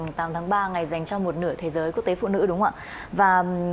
ngày tám tháng ba này dành cho một nửa thế giới quốc tế phụ nữ đúng không ạ